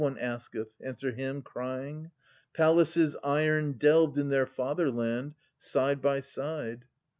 ' one asketh : answer him, crying :' Palaces iron delved in their fiattherland, side by side.'